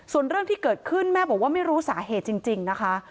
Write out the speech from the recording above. ส่วนเรื่องที่เกิดขึ้นแม่บอกว่าไม่รู้สาเหตุจริงนะคะ